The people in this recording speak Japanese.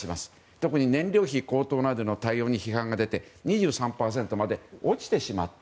特に燃料費高騰などの対応に批判が出て２６％まで落ちてしまった。